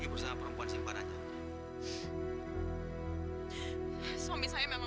terus kamu tidur dimana